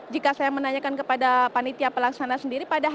jika saya menanyakan kepada panitia pelaksana sendiri